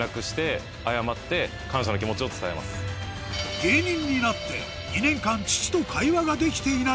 芸人になって２年間父と会話ができていない